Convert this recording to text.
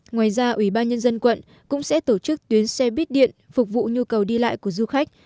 ngoài ra ủy ban nhân dân quận cũng sẽ tổ chức tuyến xe buýt điện phục vụ nhu cầu đi lại của du khách